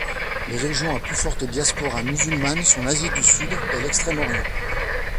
Les régions à plus fortes diasporas musulmanes sont l'Asie du Sud et l'Extrême-Orient.